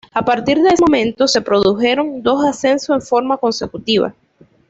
A partir de ese momento se produjeron dos ascensos en forma consecutiva.